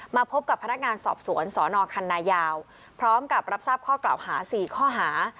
พบกับพนักงานสอบสวนสนคันนายาวพร้อมกับรับทราบข้อกล่าวหา๔ข้อหา